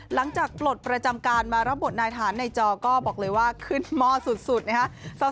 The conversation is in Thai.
ปลดประจำการมารับบทนายทหารในจอก็บอกเลยว่าขึ้นหม้อสุดนะครับ